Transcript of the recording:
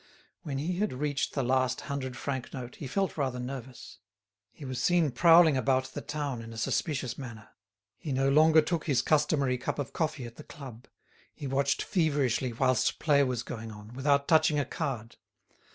When he had reached the last hundred franc note he felt rather nervous. He was seen prowling about the town in a suspicious manner. He no longer took his customary cup of coffee at the club; he watched feverishly whilst play was going on, without touching a card.